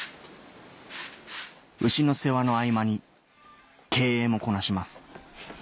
牛の世話の合間に経営もこなします